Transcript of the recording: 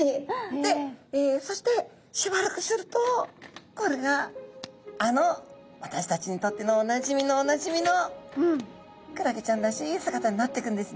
でそしてしばらくするとこれがあの私たちにとってのおなじみのおなじみのクラゲちゃんらしい姿になっていくんですね。